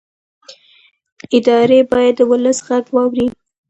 ادارې باید د ولس غږ واوري